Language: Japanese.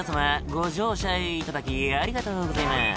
ご乗車いただきありがとうございます」